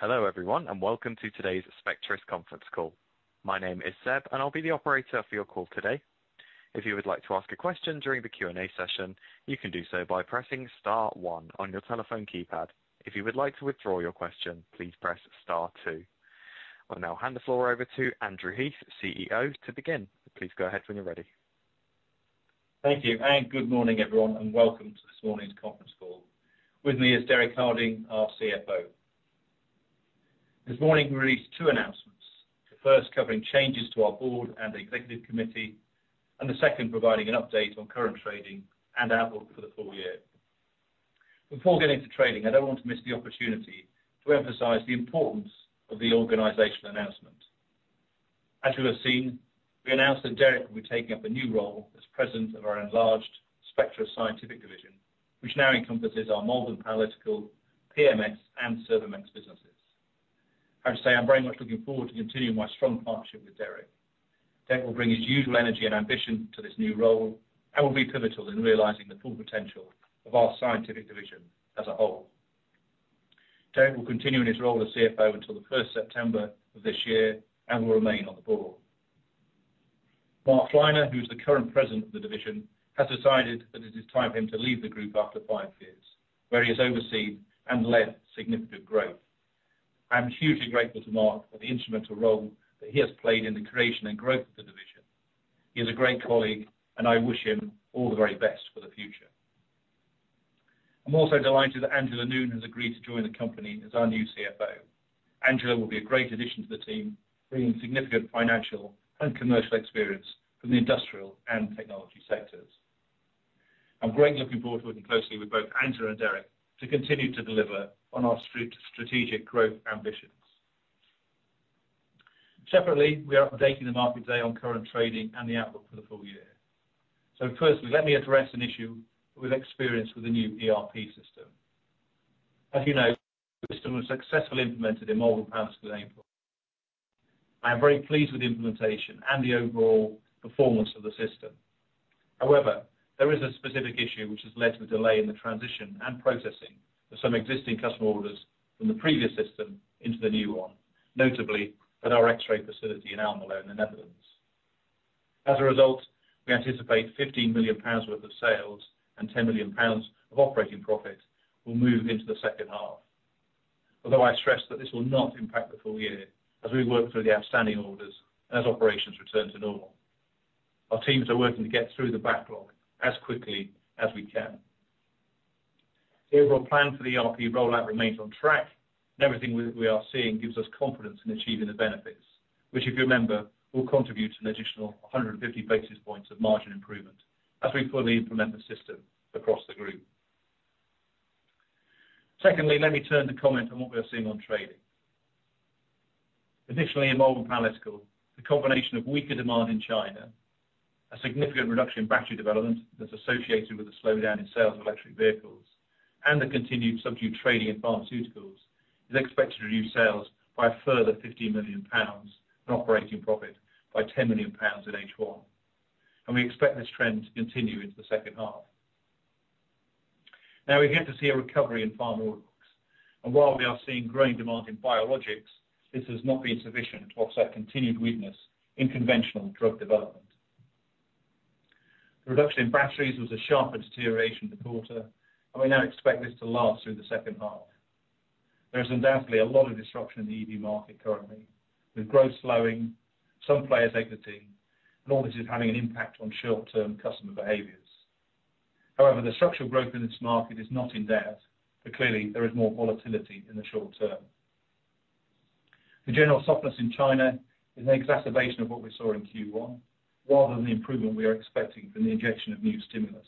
Hello, everyone, and welcome to today's Spectris conference call. My name is Seb, and I'll be the operator for your call today. If you would like to ask a question during the Q&A session, you can do so by pressing star one on your telephone keypad. If you would like to withdraw your question, please press star two. I'll now hand the floor over to Andrew Heath, CEO, to begin. Please go ahead when you're ready. Thank you, and good morning, everyone, and welcome to this morning's conference call. With me is Derek Harding, our CFO. This morning, we released two announcements, the first covering changes to our board and the executive committee, and the second, providing an update on current trading and outlook for the full year. Before getting to trading, I don't want to miss the opportunity to emphasize the importance of the organizational announcement. As you have seen, we announced that Derek will be taking up a new role as president of our enlarged Spectris Scientific division, which now encompasses our Malvern Panalytical, PMS, and Servomex businesses. I have to say, I'm very much looking forward to continuing my strong partnership with Derek. Derek will bring his usual energy and ambition to this new role and will be pivotal in realizing the full potential of our scientific division as a whole. Derek will continue in his role as CFO until the first September of this year and will remain on the board. Mark Fleiner, who is the current president of the division, has decided that it is time for him to leave the group after five years, where he has overseen and led significant growth. I am hugely grateful to Mark for the instrumental role that he has played in the creation and growth of the division. He is a great colleague, and I wish him all the very best for the future. I'm also delighted that Angela Noon has agreed to join the company as our new CFO. Angela will be a great addition to the team, bringing significant financial and commercial experience from the industrial and technology sectors. I'm greatly looking forward to working closely with both Angela and Derek to continue to deliver on our strategic growth ambitions. Separately, we are updating the market today on current trading and the outlook for the full year. So firstly, let me address an issue we've experienced with the new ERP system. As you know, the system was successfully implemented in Malvern Panalytical. I am very pleased with the implementation and the overall performance of the system. However, there is a specific issue which has led to a delay in the transition and processing of some existing customer orders from the previous system into the new one, notably at our X-ray facility in Almelo, in the Netherlands. As a result, we anticipate 15 million pounds worth of sales and 10 million pounds of operating profit will move into the second half. Although I stress that this will not impact the full year as we work through the outstanding orders and as operations return to normal. Our teams are working to get through the backlog as quickly as we can. The overall plan for the ERP rollout remains on track, and everything we are seeing gives us confidence in achieving the benefits, which, if you remember, will contribute to an additional 150 basis points of margin improvement as we fully implement the system across the group. Secondly, let me turn to comment on what we are seeing on trading. Additionally, in Malvern Panalytical, the combination of weaker demand in China, a significant reduction in battery development that's associated with a slowdown in sales of electric vehicles, and the continued subdued trading in pharmaceuticals, is expected to reduce sales by a further 50 million pounds and operating profit by 10 million pounds in H1. And we expect this trend to continue into the second half. Now, we hope to see a recovery in pharma markets, and while we are seeing growing demand in biologics, this has not been sufficient to offset continued weakness in conventional drug development. The reduction in batteries was a sharper deterioration in the quarter, and we now expect this to last through the second half. There is undoubtedly a lot of disruption in the EV market currently, with growth slowing, some players exiting, and all this is having an impact on short-term customer behaviors. However, the structural growth in this market is not in doubt, but clearly, there is more volatility in the short term. The general softness in China is an exacerbation of what we saw in Q1, rather than the improvement we are expecting from the injection of new stimulus.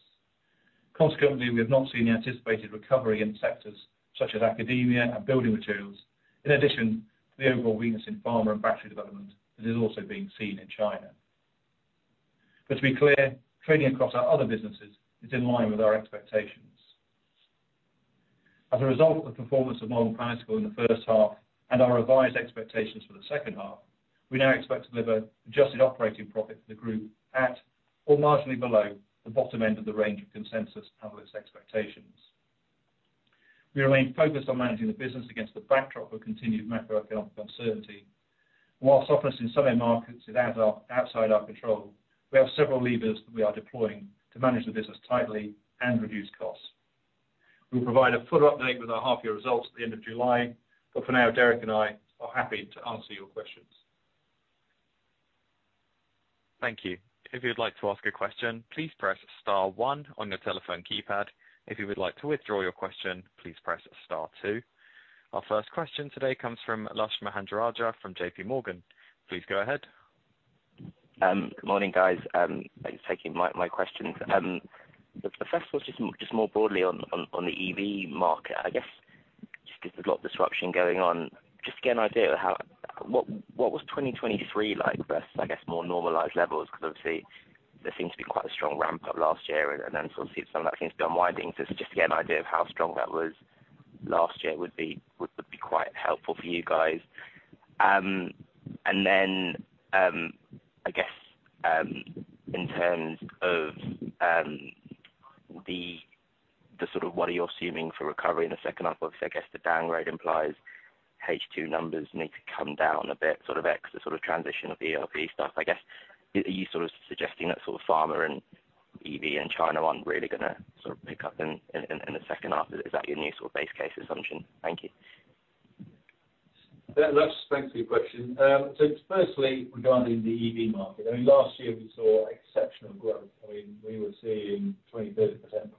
Consequently, we have not seen the anticipated recovery in sectors such as academia and building materials, in addition to the overall weakness in pharma and battery development that is also being seen in China. But to be clear, trading across our other businesses is in line with our expectations. As a result of the performance of Malvern Panalytical in the first half and our revised expectations for the second half, we now expect to deliver adjusted operating profit for the group at or marginally below the bottom end of the range of consensus public expectations. We remain focused on managing the business against the backdrop of continued macroeconomic uncertainty. While softness in some markets is outside our control, we have several levers that we are deploying to manage the business tightly and reduce costs. We'll provide a full update with our half-year results at the end of July, but for now, Derek and I are happy to answer your questions. Thank you. If you'd like to ask a question, please press star one on your telephone keypad. If you would like to withdraw your question, please press star two. Our first question today comes from Lushanthan Mahendrarajah from J.P. Morgan. Please go ahead. Good morning, guys. Thanks for taking my questions. The first one's just more broadly on the EV market. I guess, just because there's a lot of disruption going on, just to get an idea of how... What was 2023 like versus, I guess, more normalized levels? Because obviously, there seemed to be quite a strong ramp up last year, and then obviously some of that seems to be unwinding. So just to get an idea of how strong that was last year would be quite helpful for you guys. And then, I guess, in terms of the sort of what are you assuming for recovery in the second half? Obviously, I guess the downgrade implies H2 numbers need to come down a bit, sort of X, the sort of transition of the ERP stuff. I guess, are you sort of suggesting that sort of pharma and EV and China aren't really gonna sort of pick up in the second half? Is that your new sort of base case assumption? Thank you. Yeah, that's, thanks for your question. So firstly, regarding the EV market, I mean, last year we saw exceptional growth. I mean, we were seeing 20, 30%+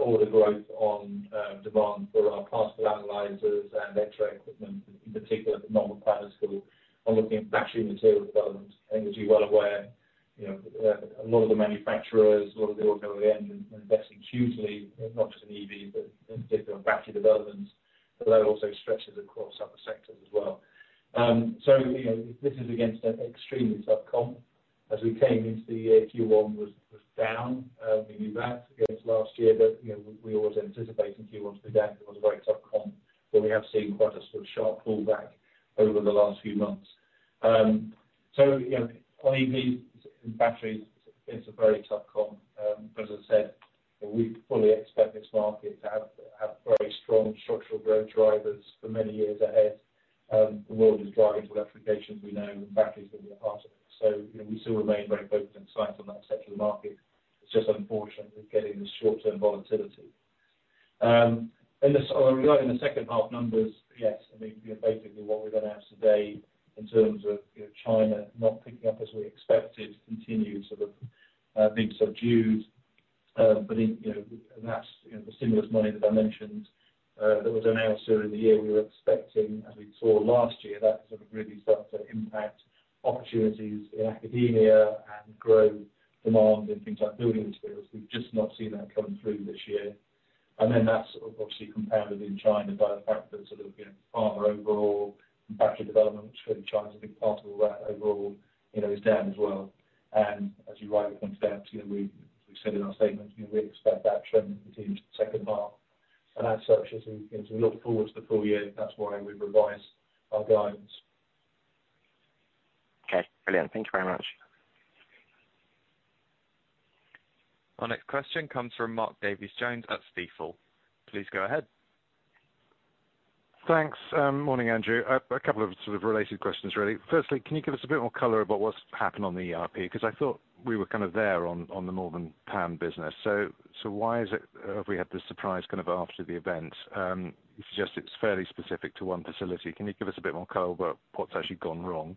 order growth on demand for our plasma analyzers and X-ray equipment, in particular, the normal partners who are looking at battery material development. And as you're well aware, you know, a lot of the manufacturers, a lot of the auto OEM are investing hugely, not just in EV, but in different battery developments. But that also stretches across other sectors as well. So, you know, this is against an extremely tough comp. As we came into the year, Q1 was down. We knew that against last year, but, you know, we always anticipated Q1 to be down. It was a very tough comp, but we have seen quite a sort of sharp pullback over the last few months. So, you know, on EV batteries, it's a very tough comp. But as I said, we fully expect this market to have very strong structural growth drivers for many years ahead. The world is driving to electrification, we know, and batteries will be a part of it. So, you know, we still remain very focused and excited on that sector of the market. It's just unfortunately getting this short-term volatility. And so regarding the second half numbers, yes, I mean, basically what we've announced today in terms of, you know, China not picking up as we expected, continued sort of being subdued. But, you know, and that's, you know, the stimulus money that I mentioned, that was announced during the year, we were expecting, as we saw last year, that sort of really start to impact opportunities in academia and grow demand in things like building materials. We've just not seen that come through this year. And then that's obviously compounded in China by the fact that sort of, you know, pharma overall and battery development, which China is a big part of all that overall, you know, is down as well. And as you rightly point out, you know, we, we said in our statement, you know, we expect that trend to continue into the second half. And as such, as we look forward to the full year, that's why we've revised our guidance. Okay, brilliant. Thank you very much. Our next question comes from Mark Davies Jones at Stifel. Please go ahead. Thanks, morning, Andrew. A couple of sort of related questions, really. Firstly, can you give us a bit more color about what's happened on the ERP? Because I thought we were kind of there on the Malvern Pan business. So why is it we had this surprise kind of after the event? You suggest it's fairly specific to one facility. Can you give us a bit more color about what's actually gone wrong,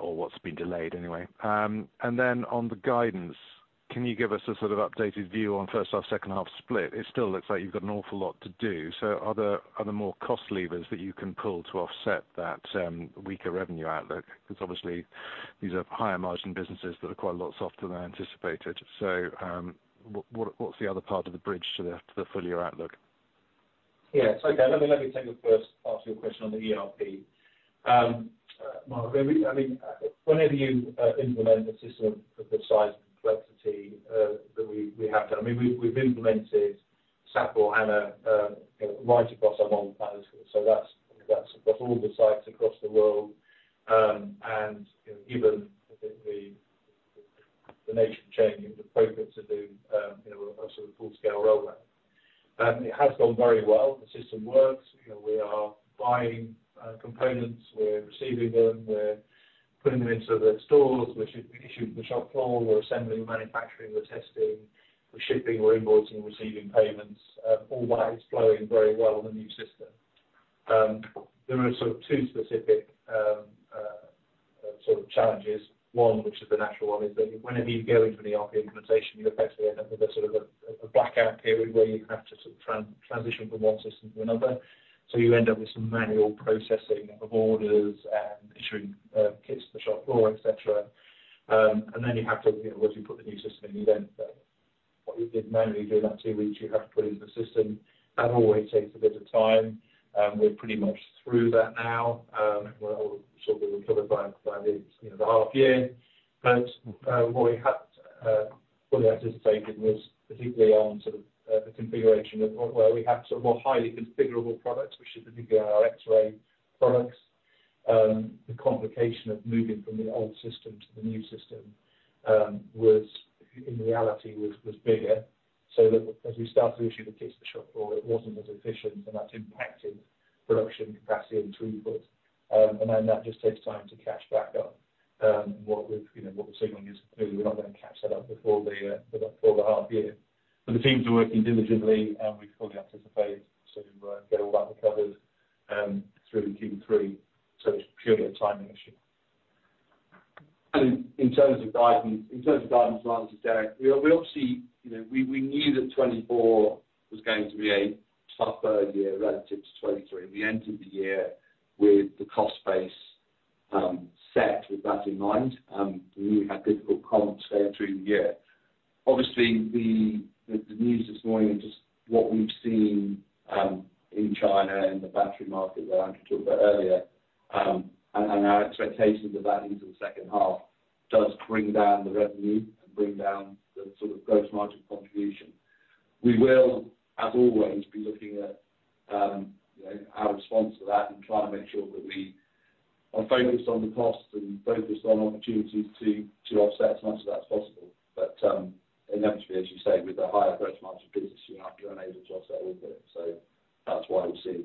or what's been delayed anyway? And then on the guidance, can you give us a sort of updated view on first half, second half split? It still looks like you've got an awful lot to do, so are there more cost levers that you can pull to offset that weaker revenue outlook? Because obviously, these are higher margin businesses that are quite a lot softer than anticipated. So, what's the other part of the bridge to the full year outlook? Yeah. So okay, let me take the first part of your question on the ERP. Mark, I mean, whenever you implement a system of the size and complexity that we have done, I mean, we've implemented SAP S/4HANA, you know, right across our global plants. So that's across all the sites across the world. And you know, given the nature of change, it's appropriate to do, you know, a sort of full scale rollout. It has gone very well. The system works. You know, we are buying components, we're receiving them, we're putting them into the stores. We're issuing to the shop floor, we're assembling, manufacturing, we're testing, we're shipping, we're invoicing, receiving payments. All that is flowing very well in the new system. There are sort of two specific, sort of challenges. One, which is the natural one, is that whenever you go into an ERP implementation, you effectively end up with a sort of blackout period where you have to sort of transition from one system to another. So you end up with some manual processing of orders and issuing kits to the shop floor, et cetera. And then you have to, you know, once you put the new system in, you then put what you did manually during that two weeks, you have to put in the system. That always takes a bit of time, and we're pretty much through that now. Well, sort of recovered by the, you know, the half year. But what we had fully anticipated was, particularly on sort of, the configuration of where we have sort of more highly configurable products, which is particularly our X-ray products, the complication of moving from the old system to the new system was, in reality, bigger. So that as we started to issue the kits to the shop floor, it wasn't as efficient, and that's impacted production capacity and throughput. And then that just takes time to catch back up. What we've—you know, what we're seeing is clearly we're not going to catch that up before the half year. But the teams are working diligently, and we fully anticipate to sort of get all that recovered through Q3. So it's purely a timing issue. And in terms of guidance, as Andrew said, we obviously—you know, we knew that 2024 was going to be a tougher year relative to 2023. We entered the year with the cost base set with that in mind, and we would have difficult comps there through the year. Obviously, the news this morning and just what we've seen in China and the battery market that Andrew talked about earlier, and our expectations of that into the second half, does bring down the revenue and bring down the sort of gross margin contribution. We will, as always, be looking at, you know, our response to that and try to make sure that we are focused on the costs and focused on opportunities to offset as much as that's possible. But, inevitably, as you say, with the higher price margin business, you're not going to be able to offset all of it. So that's why we've seen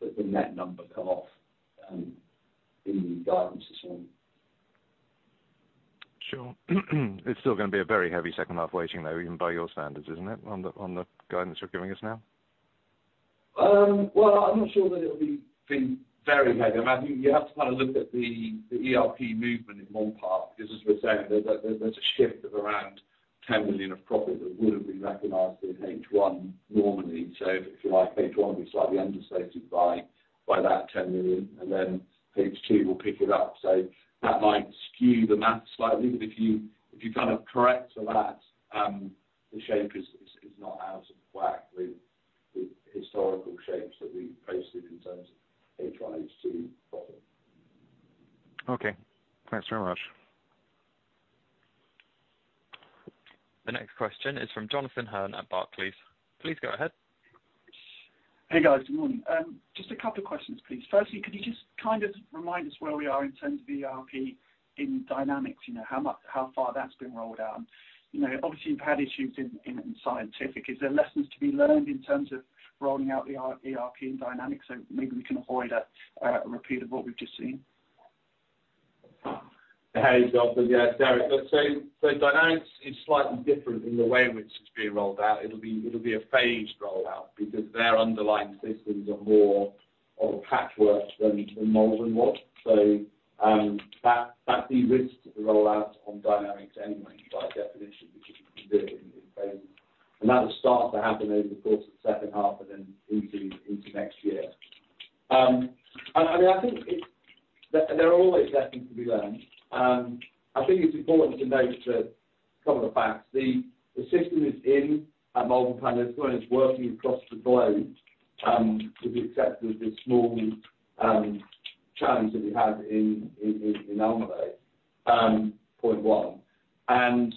the net number come off, in the guidance this morning. Sure. It's still gonna be a very heavy second half waiting, though, even by your standards, isn't it, on the, on the guidance you're giving us now? Well, I'm not sure that it'll be very heavy. I mean, you have to kind of look at the ERP movement in one part, because as we're saying, there's a shift of around 10 million of profit that would have been recognized in H1 normally. So if you like, H1 will be slightly understated by that ten million, and then H2 will pick it up. So that might skew the math slightly, but if you kind of correct for that, the shape is not out of whack with the historical shapes that we've posted in terms of H1, H2 profit. Okay. Thanks very much. The next question is from Jonathan Hurn at Barclays. Please go ahead. Hey, guys, good morning. Just a couple of questions, please. Firstly, could you just kind of remind us where we are in terms of ERP in Dynamics? You know, how far that's been rolled out? You know, obviously, you've had issues in scientific. Is there lessons to be learned in terms of rolling out the ERP in Dynamics, so maybe we can avoid a repeat of what we've just seen? Hey, Jonathan, yeah, it's Derek. Look, so Dynamics is slightly different in the way in which it's being rolled out. It'll be a phased rollout because their underlying systems are more of a patchwork than Malvern was. So that de-risks the rollout on Dynamics anyway, by definition, because it phases. And that will start to happen over the course of the second half and then into next year. And I think it's important to note a couple of facts. The system is in at Malvern Pan, and it's working across the globe, with the exception of this small challenge that we had in Almelo, point one. And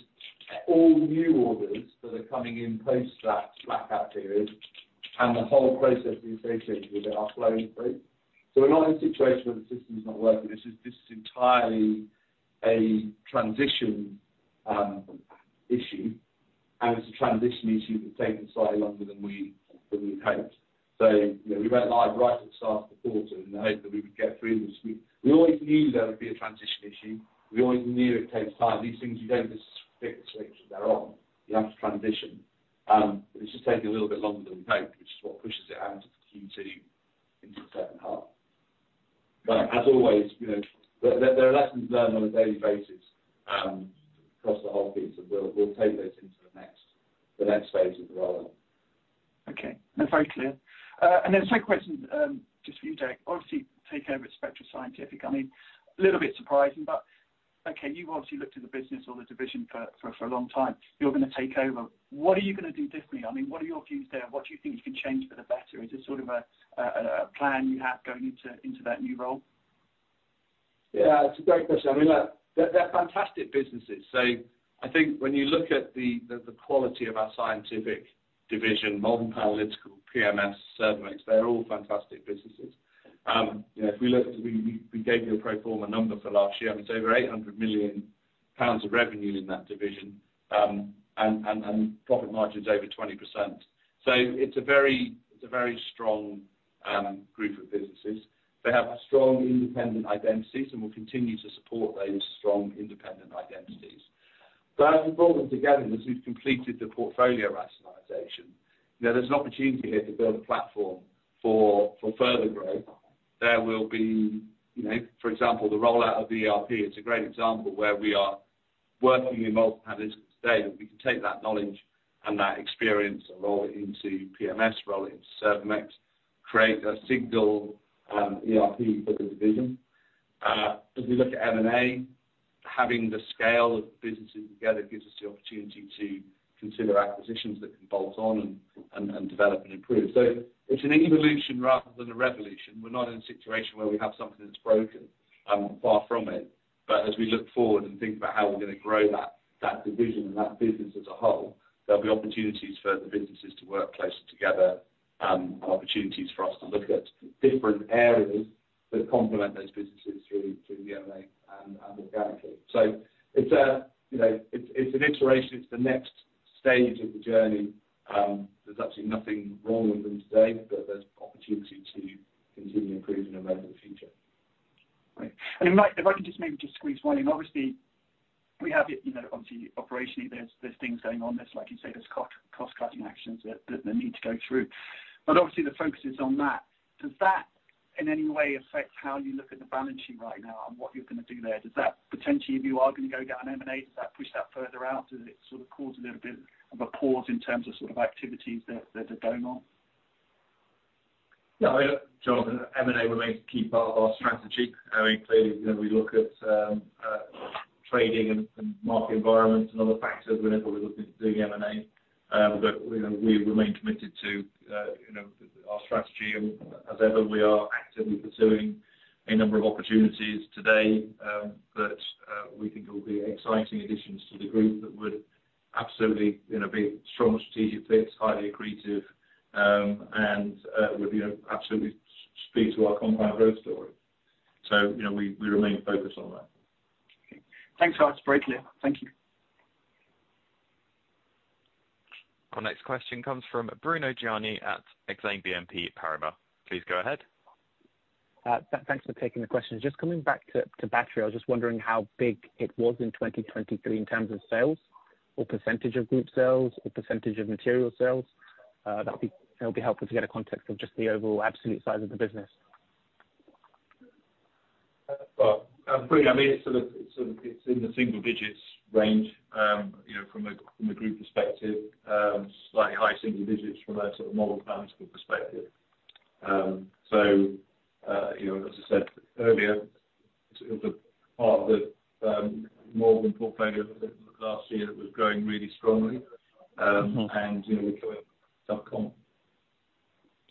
all the new orders that are coming in post that, that period, and the whole process we associated with it are flowing through. So we're not in a situation where the system is not working. This is, this is entirely a transition issue, and it's a transition issue that's taking slightly longer than we, than we hoped. So, you know, we went live right at the start of the quarter in the hope that we would get through this. We, we always knew there would be a transition issue. We always knew it takes time. These things, you don't just flip the switch and they're on, you have to transition. It's just taking a little bit longer than we hoped, which is what pushes it out of Q2 into the second half. As always, you know, there are lessons learned on a daily basis across the whole piece, and we'll take those into the next phase of the rollout. Okay, that's very clear. And then the second question, just for you, Derek. Obviously, you take over Spectris Scientific. I mean, a little bit surprising, but okay, you've obviously looked at the business or the division for a long time. You're going to take over. What are you going to do differently? I mean, what are your views there? What do you think you can change for the better? Is there sort of a plan you have going into that new role? Yeah, it's a great question. I mean, look, they're fantastic businesses. So I think when you look at the quality of our scientific division, Malvern Panalytical, PMS, Servomex, they're all fantastic businesses. You know, if we look, we gave you a pro forma number for last year, and it's over 800 million pounds of revenue in that division, and profit margin is over 20%. So it's a very strong group of businesses. They have strong independent identities, and we'll continue to support those strong independent identities. But as we brought them together, as we've completed the portfolio rationalization, there's an opportunity here to build a platform for further growth. There will be, you know, for example, the rollout of ERP. It's a great example where we are working in multiple places today, that we can take that knowledge and that experience and roll it into PMS, roll it into Servomex, create a single ERP for the division. As we look at M&A, having the scale of the businesses together gives us the opportunity to consider acquisitions that can bolt on and develop and improve. So it's an evolution rather than a revolution. We're not in a situation where we have something that's broken, far from it. But as we look forward and think about how we're going to grow that, that division and that business as a whole, there'll be opportunities for the businesses to work closer together, and opportunities for us to look at different areas that complement those businesses through the M&A and organically. So it's a, you know, it's an iteration, it's the next stage of the journey. There's absolutely nothing wrong with them today, but there's opportunity to continue improving them over the future. Great. If I could just maybe just squeeze one in. Obviously, we have, you know, obviously, operationally, there's things going on. There's, like you say, there's cost-cutting actions that need to go through, but obviously, the focus is on that. Does that in any way affect how you look at the balance sheet right now and what you're going to do there? Does that potentially, if you are going to go get an M&A, does that push that further out? Does it sort of cause a little bit of a pause in terms of sort of activities that are going on? Yeah, Jonathan, M&A remains a key part of our strategy. I mean, clearly, you know, we look at trading and market environments and other factors whenever we're looking to do M&A, but you know, we remain committed to you know, our strategy. As ever, we are actively pursuing a number of opportunities today, but-we think will be exciting additions to the group that would absolutely, you know, be strong strategic fits, highly accretive, and would, you know, absolutely speak to our compound growth story. So, you know, we remain focused on that. Okay. Thanks, Matt. It's very clear. Thank you. Our next question comes from Bruno Gjani at Exane BNP Paribas. Please go ahead. Thanks for taking the question. Just coming back to battery, I was just wondering how big it was in 2023 in terms of sales, or percentage of group sales, or percentage of material sales? That'll be helpful to get a context of just the overall absolute size of the business. Well, I mean, it's sort of, it's sort of, it's in the single digits range, you know, from a group perspective, slightly high single digits from a sort of Malvern Panalytical perspective. So, you know, as I said earlier, sort of the part that Malvern Panalytical last year that was growing really strongly. And, you know, we coming off a tough comp.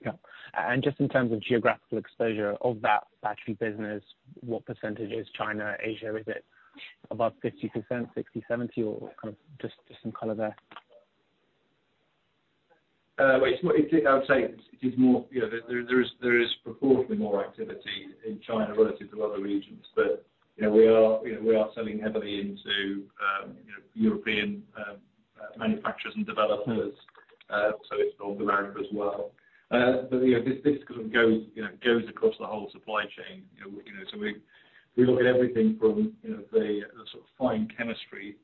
Yeah. Just in terms of geographical exposure of that battery business, what percentage is China, Asia? Is it above 50%, 60, 70, or kind of just, just some color there? Well, it's more, I would say it is more, you know, there is proportionally more activity in China relative to other regions. But, you know, we are, you know, we are selling heavily into, you know, European manufacturers and developers, so it's North America as well. But, you know, this sort of goes, you know, goes across the whole supply chain. You know, so we look at everything from, you know, the sort of fine chemistry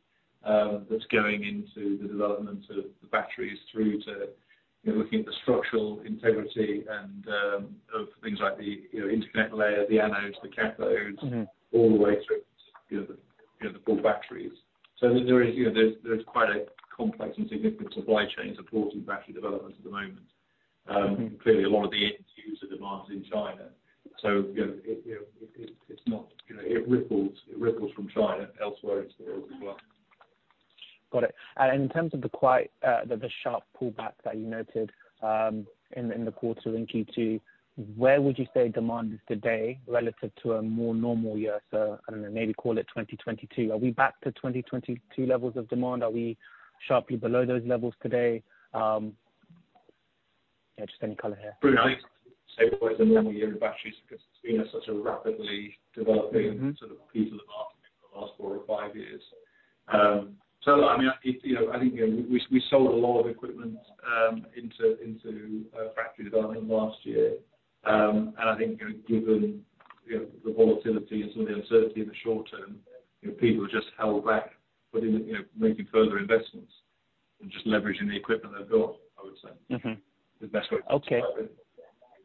that's going into the development of the batteries through to, you know, looking at the structural integrity and of things like the, you know, interconnect layer, the anodes, the cathodes- Mm-hmm. all the way through, you know, the full batteries. So there is, you know, there's quite a complex and significant supply chain supporting battery development at the moment. Mm-hmm. Clearly, a lot of the end user demands in China, so, you know, it's not, you know, it ripples from China elsewhere into the world as well. Got it. And in terms of the quiet, the sharp pullback that you noted, in the quarter in Q2, where would you say demand is today relative to a more normal year? So I don't know, maybe call it 2022. Are we back to 2022 levels of demand? Are we sharply below those levels today? Yeah, just any color here. Well, I say batteries, because it's been such a rapidly developing sort of piece of the market for the last four or five years. So, I mean, you know, I think, you know, we sold a lot of equipment into factory development last year. And I think, you know, given, you know, the volatility and some of the uncertainty in the short term, you know, people just held back within, you know, making further investments and just leveraging the equipment they've got, I would say. Mm-hmm. The best way to describe it.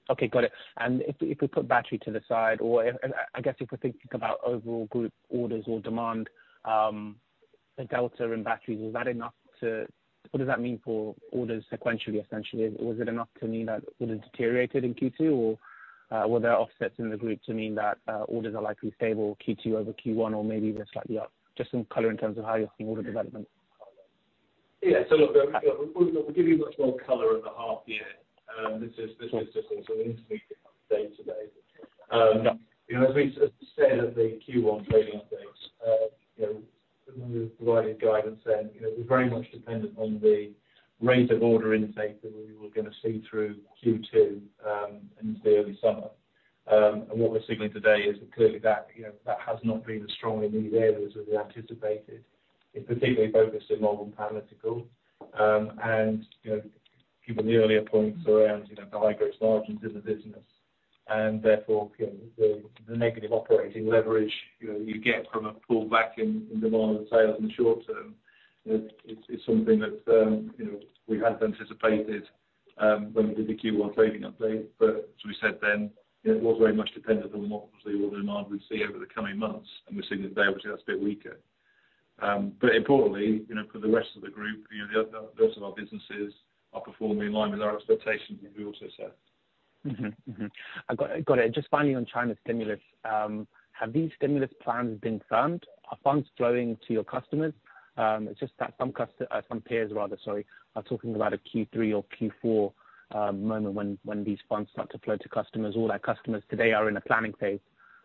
Okay, got it. And if we put battery to the side, or, and I guess if we're thinking about overall group orders or demand, the delta in batteries, is that enough to... What does that mean for orders sequentially, essentially? Was it enough to mean that orders deteriorated in Q2, or, were there offsets in the group to mean that, orders are likely stable Q2 over Q1, or maybe they're slightly up? Just some color in terms of how you're seeing order development. Yeah. So look, we'll give you much more color of the half year. This is, this is just an intermediate day today. Um, yeah. You know, as we said at the Q1 trading updates, you know, we provided guidance then, you know, we're very much dependent on the rate of order intake that we were gonna see through Q2 into the early summer. And what we're signaling today is that clearly that, you know, that has not been as strong in these areas as we anticipated. It particularly focused in Malvern Panalytical, and, you know, given the earlier points around, you know, the high gross margins in the business, and therefore, you know, the negative operating leverage, you know, you get from a pullback in demand and sales in the short term, it's something that, you know, we had anticipated when we did the Q1 trading update. But as we said then, it was very much dependent on what was the order demand we'd see over the coming months, and we're seeing today, obviously, that's a bit weaker. Importantly, you know, for the rest of the group, you know, the other, the rest of our businesses are performing in line with our expectations, as we also said. Mm-hmm. Mm-hmm. I got it, got it. Just finally on China stimulus, have these stimulus plans been funded? Are funds flowing to your customers? It's just that some peers rather, sorry, are talking about a Q3 or Q4 moment when, when these funds start to flow to customers. All our customers today are in a planning phase.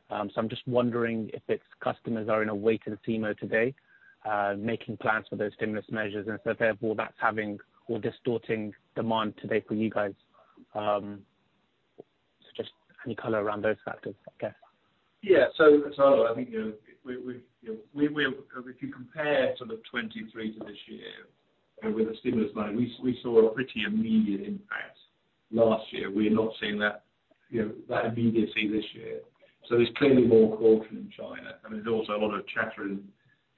So I'm just wondering if it's customers are in a wait and see mode today, making plans for those stimulus measures, and so therefore that's having or distorting demand today for you guys. So just any color around those factors, I guess? Yeah. So I think, you know, we, you know, if you compare sort of 2023 to this year, and with the stimulus money, we saw a pretty immediate impact last year. We're not seeing that, you know, that immediacy this year. So there's clearly more caution in China, and there's also a lot of chatter in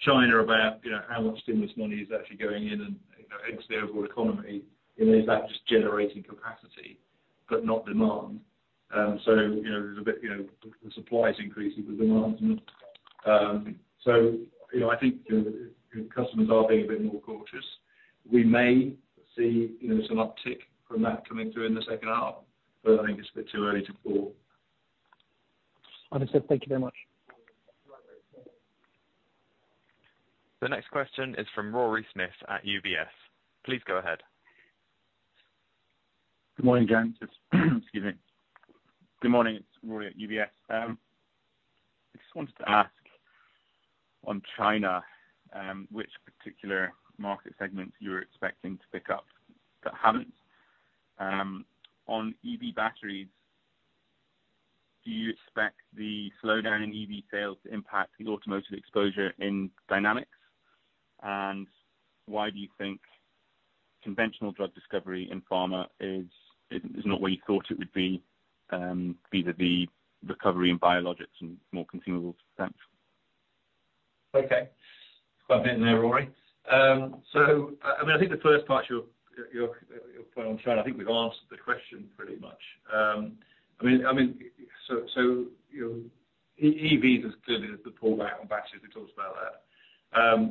China about, you know, how much stimulus money is actually going in and, you know, into the overall economy, and is that just generating capacity but not demand? So, you know, there's a bit, you know, the supply is increasing, the demand isn't. So, you know, I think, you know, customers are being a bit more cautious. We may see, you know, some uptick from that coming through in the second half, but I think it's a bit too early to call. Understood. Thank you very much. The next question is from Rory Smith at UBS. Please go ahead. Excuse me. Good morning, it's Rory at UBS. I just wanted to ask on China, which particular market segments you're expecting to pick up that haven't? On EV batteries, do you expect the slowdown in EV sales to impact the automotive exposure in Dynamics? And why do you think conventional drug discovery in pharma is not where you thought it would be, vis-à-vis recovery in biologics and more consumable success? Okay. Quite a bit in there, Rory. So, I mean, I think the first part, your, your, your point on China, I think we've answered the question pretty much. I mean, I mean, so, so, you know, EVs is clearly the pullback on batteries. We talked about that.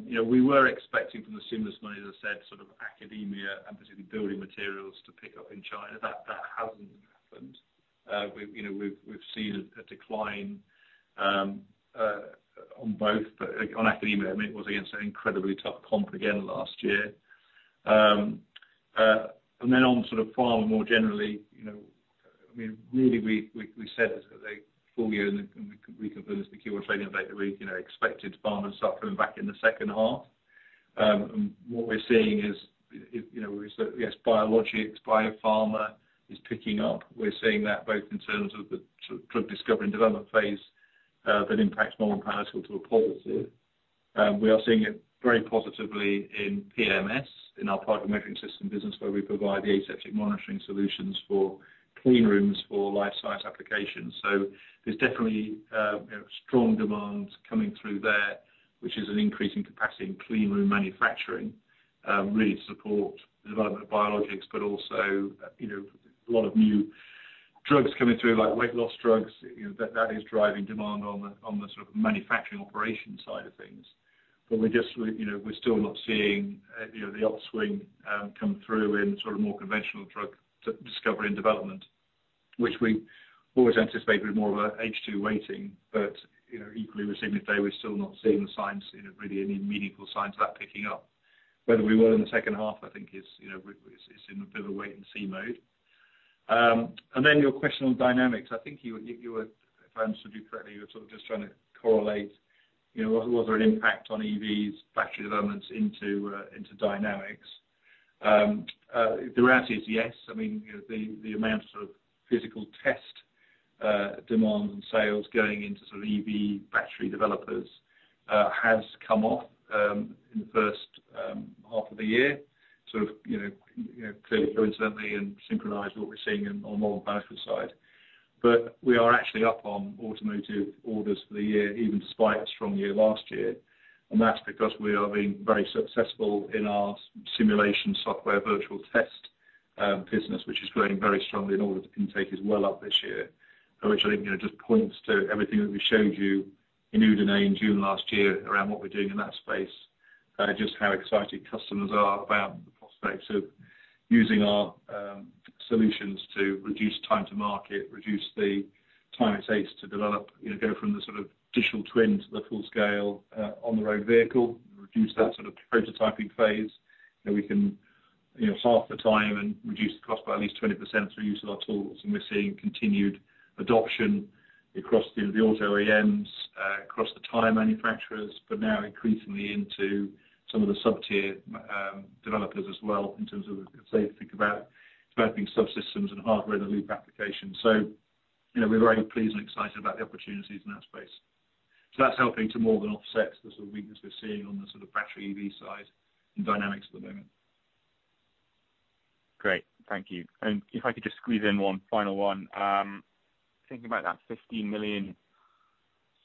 You know, we were expecting from the stimulus money, as I said, sort of academia and particularly building materials to pick up in China. That, that hasn't happened. We've, you know, we've, we've seen a, a decline, on both, but on academia, I mean, it was against an incredibly tough comp again last year. And then on sort of pharma more generally, you know, I mean, really, we said at the full year and we confirmed this, the key trading update that we, you know, expected pharma to start coming back in the second half. And what we're seeing is, you know, yes, biologics, biopharma is picking up. We're seeing that both in terms of the drug discovery and development phase, that impacts more on Panalytical to a positive. We are seeing it very positively in PMS, in our Particle Measuring Systems business, where we provide the aseptic monitoring solutions for clean rooms for life science applications. So there's definitely, you know, strong demand coming through there, which is an increase in capacity in clean room manufacturing, really to support the development of biologics, but also, you know, a lot of new drugs coming through, like weight loss drugs. You know, that is driving demand on the, on the sort of manufacturing operation side of things. But we just, you know, we're still not seeing, you know, the upswing, come through in sort of more conventional drug discovery and development, which we always anticipated more of a H2 weighting. But, you know, equally with today, we're still not seeing the signs, you know, really any meaningful signs of that picking up. Whether we will in the second half, I think is, you know, in a bit of a wait and see mode. And then your question on Dynamics, I think you were—if I understood you correctly, you were sort of just trying to correlate, you know, was there an impact on EVs battery developments into Dynamics? The answer is yes. I mean, you know, the amount of physical test demand and sales going into sort of EV battery developers has come off in the first half of the year. Sort of, you know, you know, clearly, coincidentally, and synchronized what we're seeing on more on the financial side. But we are actually up on automotive orders for the year, even despite a strong year last year, and that's because we have been very successful in our simulation software, virtual test business, which is growing very strongly and orders intake is well up this year. which I think, you know, just points to everything that we showed you in Udine in June last year around what we're doing in that space, just how excited customers are about the prospects of using our solutions to reduce time to market, reduce the time it takes to develop, you know, go from the sort of digital twin to the full scale on their own vehicle, reduce that sort of prototyping phase. And we can, you know, half the time and reduce the cost by at least 20% through use of our tools, and we're seeing continued adoption across the auto OEMs, across the tire manufacturers, but now increasingly into some of the sub-tier developers as well, in terms of, as they think about developing subsystems and hardware-in-the-loop applications. You know, we're very pleased and excited about the opportunities in that space. That's helping to more than offset the sort of weakness we're seeing on the sort of battery EV side and Dynamics at the moment. Great. Thank you. And if I could just squeeze in one final one. Thinking about that 15 million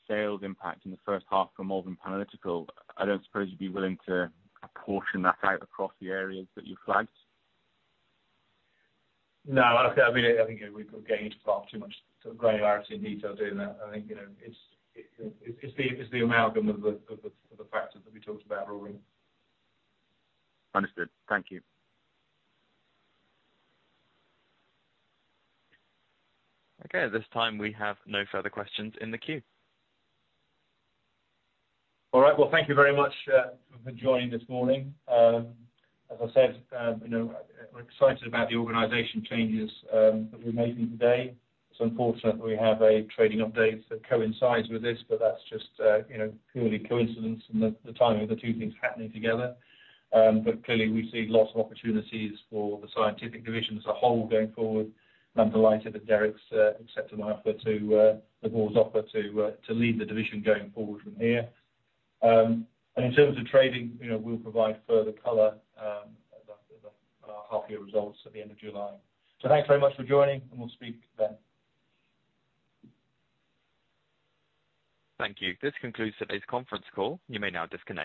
sales impact in the first half for Malvern Panalytical, I don't suppose you'd be willing to apportion that out across the areas that you flagged? No, I think, I mean, I think we're getting into far too much sort of granularity and detail doing that. I think, you know, it's the amalgam of the factors that we talked about earlier. Understood. Thank you. Okay, at this time, we have no further questions in the queue. All right, well, thank you very much for joining this morning. As I said, you know, we're excited about the organization changes that we're making today. It's unfortunate we have a trading update that coincides with this, but that's just, you know, purely coincidence and the timing of the two things happening together. But clearly we see lots of opportunities for the scientific division as a whole going forward, and I'm delighted that Derek's accepted my offer to the board's offer to lead the division going forward from here. And in terms of trading, you know, we'll provide further color at our half year results at the end of July. So thanks very much for joining, and we'll speak then. Thank you. This concludes today's conference call. You may now disconnect.